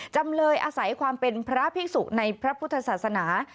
จำเลยอาศัยความเป็นพระภิกษุในพระพุทธศาสนา